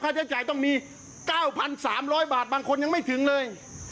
ค่าใช้จ่ายต้องมีเก้าพันสามร้อยบาทบางคนยังไม่ถึงเลย